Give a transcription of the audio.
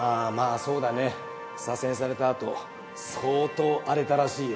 そうだね左遷されたあと相当荒れたらしいよ